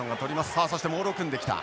さあそしてモールを組んできた。